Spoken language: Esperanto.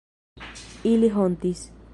Ili hontis.